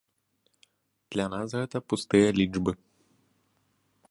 Для нас гэта пустыя лічбы.